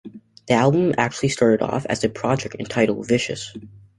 The album actually started off as a project entitled "Vicious".